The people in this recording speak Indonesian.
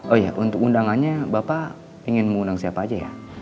oh iya untuk undangannya bapak ingin mengundang siapa aja ya